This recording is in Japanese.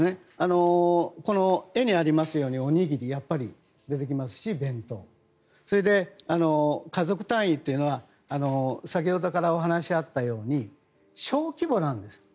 この絵にありますようにおにぎりやっぱり出てきますし弁当、それで家族単位というのは先ほどからお話があったように小規模なんです。